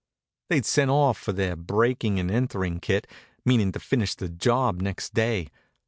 They'd sent off for their breaking and entering kit, meaning to finish the job next day.